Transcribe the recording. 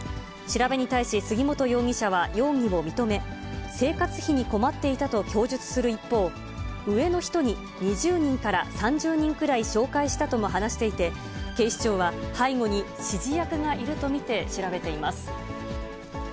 調べに対し杉本容疑者は容疑を認め、生活費に困っていたと供述する一方、上の人に２０人から３０人くらい紹介したとも話していて、警視庁は背後に指示役がいると見て調べています。